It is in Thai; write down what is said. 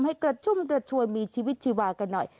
ให้กระชุ่มกระชวยมีชีวิตชีวากันหน่อย